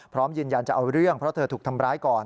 พร้อมยืนยันจะเอาเรื่องเพราะเธอถูกทำร้ายก่อน